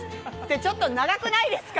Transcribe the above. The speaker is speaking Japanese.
ちょっと長くないですか。